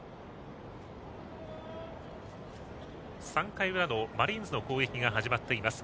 ３回裏のマリーンズの攻撃が始まっています。